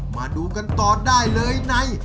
มาดูกันต่อได้เลยใน